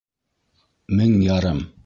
Мең ярым!